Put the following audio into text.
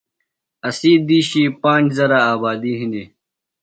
اسی دِیشی پانج ذرہ آبادیۡ ہنیۡ۔